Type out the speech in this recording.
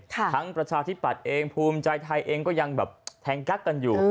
ประชาธิปัตย์เองภูมิใจไทยเองก็ยังแบบแทงกักกันอยู่